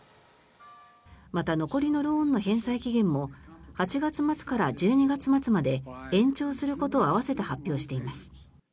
また、残りのローンの返済期限も８月末から１２月末まで延長することを併せて発表しています。